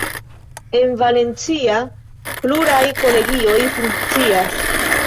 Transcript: En Valencia pluraj kolegioj funkcias.